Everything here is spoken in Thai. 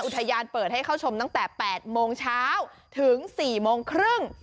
เปิดให้เข้าชมตั้งแต่๘โมงเช้าถึง๔โมงครึ่ง